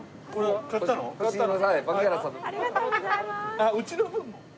あっうちの分？